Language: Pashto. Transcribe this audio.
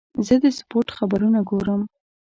زه د سپورت خبرونه ګورم.